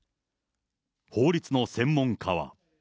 法律の専門家は。